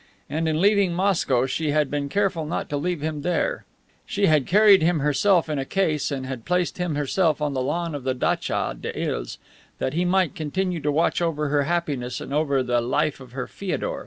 And in leaving Moscow she had been careful not to leave him there. She had carried him herself in a case and had placed him herself on the lawn of the datcha des Iles, that he might continue to watch over her happiness and over the life of her Feodor.